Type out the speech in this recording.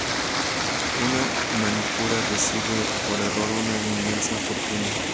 Una manicura recibe por error una inmensa fortuna.